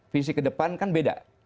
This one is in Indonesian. visi kedepan kan beda